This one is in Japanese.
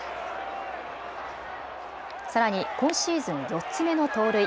さらに今シーズン４つ目の盗塁。